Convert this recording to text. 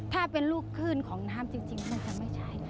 ถ้าเป็นลูกขึ้นของน้ำจริงมันจะไม่ใช่